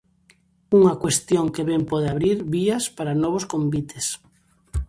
Unha cuestión que ben pode abrir vías para novos convites.